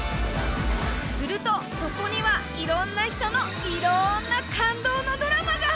するとそこにはいろんな人のいろんな感動のドラマが！